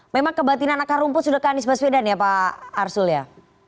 memang kebatinan akar rumput sudah ke anies baswedan ya pak arsul ya